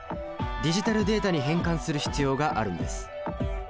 ディジタルデータに変換する必要があるんです。